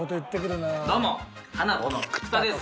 どうもハナコの菊田です